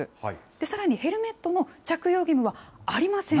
さらにヘルメットの着用義務はありません。